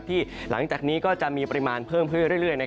หลังจากนี้ก็จะมีปริมาณเพิ่มขึ้นเรื่อย